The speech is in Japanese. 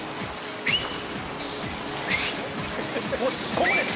「ここです！